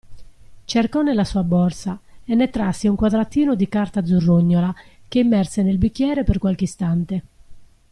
Cercò nella sua borsa e ne trasse un quadratino di carta azzurrognola, che immerse nel bicchiere per qualche istante.